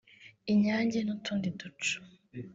Inyange n’utundi duco